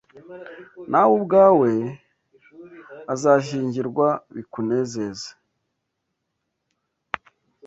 nawe ubwawe azashyingirwa bikunezeze